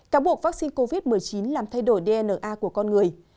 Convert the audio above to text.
cáo buộc vaccine covid một mươi chín làm thay đổi dna của con người